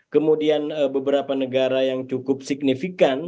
kemudian beberapa negara yang cukup signifikan